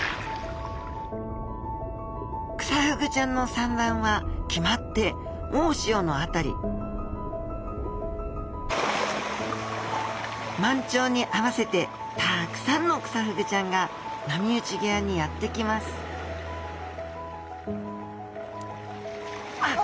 クサフグちゃんの産卵は決まって大潮の辺り満潮に合わせてたくさんのクサフグちゃんが波打ち際にやって来ますあっ。